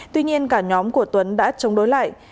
tuy nhiên cả nhóm của tuấn đã chống đối lại